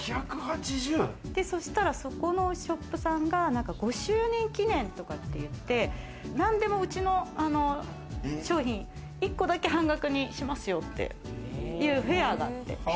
そしたら、そこのショップさんが５周年記念とかって言って、何でもうちの商品１個だけ半額にしますよっていうフェアがあって。